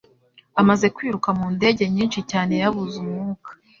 Amaze kwiruka mu ndege nyinshi cyane yabuze umwuka